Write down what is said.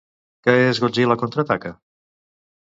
Què és Godzilla contraataca?